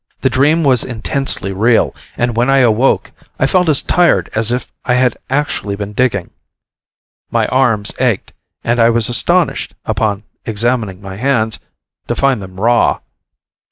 The dream was intensely real, and when I awoke, I felt as tired as if I had actually been digging. My arms ached, and I was astonished, upon examining my hands, to find them raw.